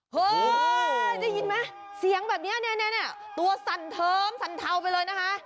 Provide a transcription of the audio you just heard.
เฮ้ยได้ยินไหมเสียงแบบนี้เนี่ยตัวสั่นเทิมสั่นเทาไปเลยนะคะ